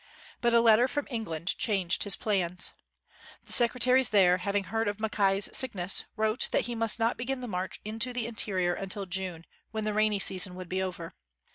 But a letter from England changed his plans. The secretaries there, having heard of Mackay 's sickness, wrote that he must not begin the march into the interior until June, when the rainy season would be over.